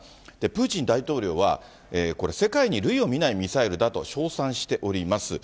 プーチン大統領はこれ、世界に類を見ないミサイルだと、称賛しております。